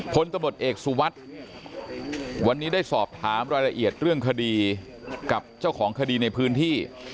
พลตำรวจเอกสุวัสดิ์วันนี้ได้สอบถามรายละเอียดเรื่องคดีกับเจ้าของคดีในพื้นที่